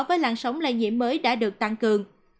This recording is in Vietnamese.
với làn sóng lây nhiễm mới đã được tăng cường